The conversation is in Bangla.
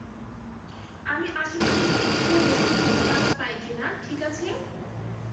আমি আশপাশে জিজ্ঞেস করে দেখি কোনো কাজ পাই কি-না, ঠিক আছে?